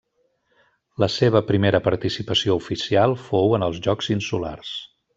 La seva primera participació oficial fou en els Jocs Insulars.